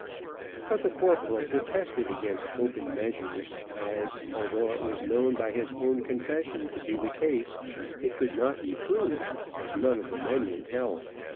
But the corporal protested against open measures, as, although it was known by his own confession to be the case, it could not be proved, as none of the men would tell.